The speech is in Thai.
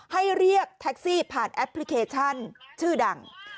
เรียกแท็กซี่ผ่านแอปพลิเคชันชื่อดัง